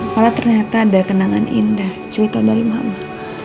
malah ternyata ada kenangan indah cerita dari mama